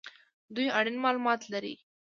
دوی اړین مالومات لري